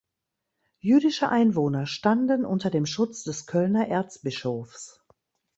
Jüdische Einwohner standen unter dem Schutz des Kölner Erzbischofs.